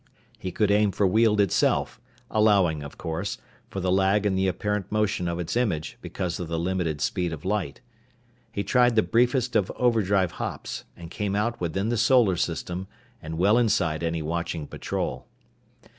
He could aim for Weald itself, allowing, of course, for the lag in the apparent motion of its image because of the limited speed of light. He tried the briefest of overdrive hops, and came out within the solar system and well inside any watching patrol.